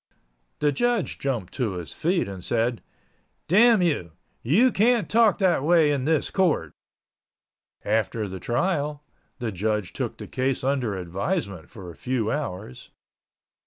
The judge jumped to his feet and said, "Damn you, you can't talk that way in this court." After the trial the judge took the case under advisement for a few hours.